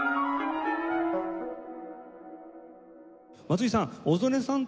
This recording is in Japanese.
松井さん。